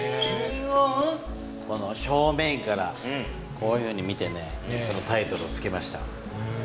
この正面からこういうふうに見てそのタイトルをつけました。